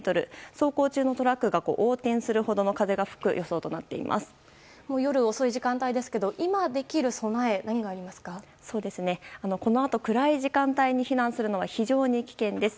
走行中のトラックが横転するほどの風が吹く夜遅い時間帯ですが今できる備えこのあと暗い時間帯に避難するのは非常に危険です。